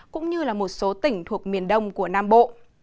cũng như là một số tỉnh thuộc miền đông của nam bộ